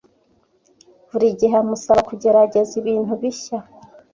Buri gihe amusaba kugerageza ibintu bishya.